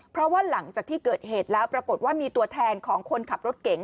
เพราะว่าหลังจากที่เกิดเหตุแล้วปรากฏว่ามีตัวแทนของคนขับรถเก๋ง